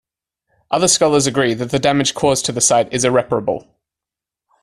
Other scholars agree that the damage caused to the site is irreparable.